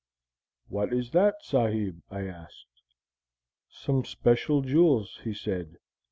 'What is that, sahib?' I asked. 'Some special jewels,' he said.